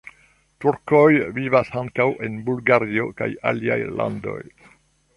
Turkoj vivas ankaŭ en Bulgario kaj aliaj landoj.